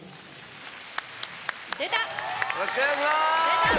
出た！